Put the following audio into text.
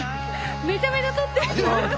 めちゃめちゃ取ってる。